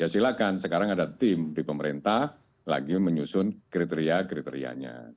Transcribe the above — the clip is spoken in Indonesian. silakan sekarang ada tim di pemerintah lagi menyusun kriteria kriterianya